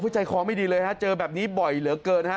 ใจคอไม่ดีเลยฮะเจอแบบนี้บ่อยเหลือเกินนะฮะ